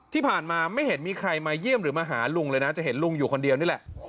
ที่ผ่านมาไม่เห็นมีใครมาเยี่ยมหรือมาหาลุงเลยนะจะเห็นลุงอยู่คนเดียวนี่แหละ